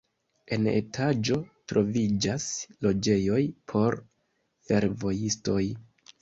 En la etaĝo troviĝas loĝejoj por fervojistoj.